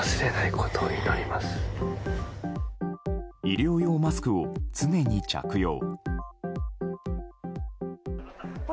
医療用マスクを常に着用。